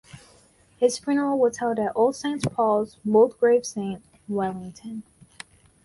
His funeral was held at Old Saint Paul's, Mulgrave Saint, Wellington.